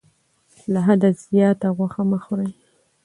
له حده زیاته غوښه مه خورئ.